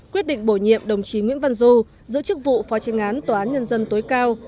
quyết định bổ nhiệm đồng chí nguyễn văn du giữ chức vụ phó tranh án tòa án nhân dân tối cao